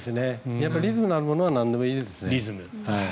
リズムのあるものはなんでもいいですね。